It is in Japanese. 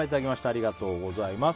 ありがとうございます。